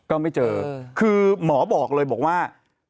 ก็ไม่เจอคือหมอบอกเลยบอกว่า